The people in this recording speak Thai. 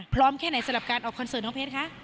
แค่ไหนสำหรับการออกคอนเสิร์ตน้องเพชรคะ